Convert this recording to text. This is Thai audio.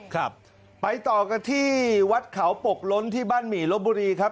ครับไปต่อกันที่วัดเขาปกล้นที่บ้านหมี่ลบบุรีครับ